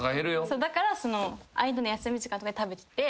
だから間の休み時間とかに食べてて。